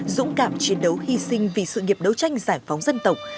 dũng cảm chiến đấu hy sinh vì sự nghiệp đấu tranh giải phóng dân tộc